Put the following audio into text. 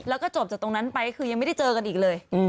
แล้วก็จบจากตรงนั้นไปก็คือยังไม่ได้เจอกันอีกเลย